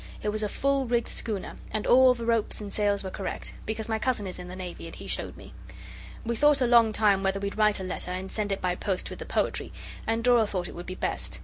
It was a full rigged schooner, and all the ropes and sails were correct; because my cousin is in the Navy, and he showed me. We thought a long time whether we'd write a letter and send it by post with the poetry and Dora thought it would be best.